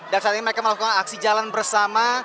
dan saat ini mereka melakukan aksi jalan bersama